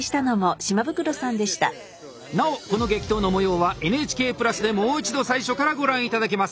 なおこの激闘の模様はＮＨＫプラスでもう一度最初からご覧頂けます。